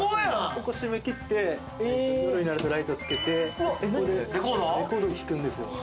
ここ締め切って、夜になるとライトつけて、レコードを聴くんです。